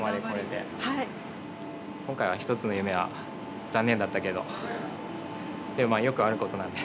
今回は一つの夢は残念だったけどでもよくある事なんで。